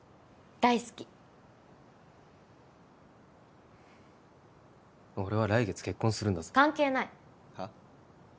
大好き俺は来月結婚するんだぞ関係ないは？